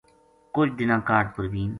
کُجھ دِناں کاہڈ پروین